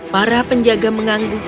para penjaga mengangguk